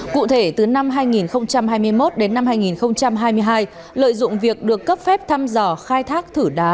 cụ thể từ năm hai nghìn hai mươi một đến năm hai nghìn hai mươi hai lợi dụng việc được cấp phép thăm dò khai thác thử đá